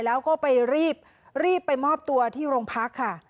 แล้วก็ไปรีบไปมอบตัวที่โรงพักค่ะ